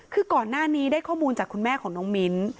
คือก่อนหน้านี้ได้ข้อมูลจากคุณแม่ของน้องมิ้น